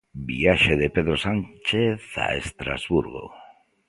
Viaxe de Pedro Sánchez a Estrasburgo.